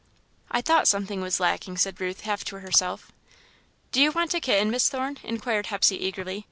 "I thought something was lacking," said Ruth, half to herself. "Do you want a kitten, Miss Thorne?" inquired Hepsey, eagerly.